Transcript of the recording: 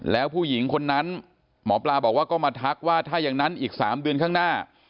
แล้วผู้หญิงคนนั้นหมอปลาบอกว่าก็มาทักว่าถ้าอย่างนั้นอีก๓เดือนข้างหน้า